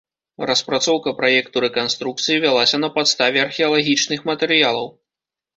Распрацоўка праекту рэканструкцыі вялася на падставе археалагічных матэрыялаў.